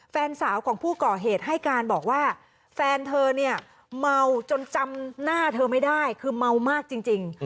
แฟนสาวของผู้ก่อเหตุให้การบอกว่าแฟนเธอเนี่ยเมาจนจำหน้าเธอไม่ได้คือเมามากจริง